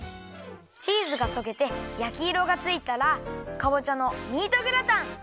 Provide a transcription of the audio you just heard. チーズがとけてやきいろがついたらかぼちゃのミートグラタン！